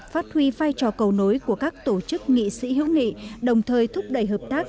phát huy vai trò cầu nối của các tổ chức nghị sĩ hữu nghị đồng thời thúc đẩy hợp tác